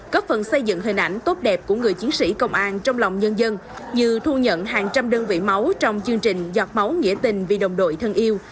góp phần xây dựng hình ảnh tốt đẹp của người chiến sĩ công an trong lòng nhân dân như thu nhận hàng trăm đơn vị máu trong chương trình giọt máu nghĩa tình vì đồng đội thân yêu